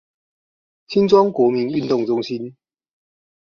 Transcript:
新莊國民運動中心